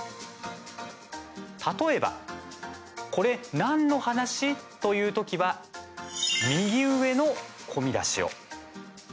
例えばこれ何の話？という時は右上の小見出しを。